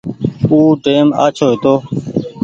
او ٽيم آڇو هيتو۔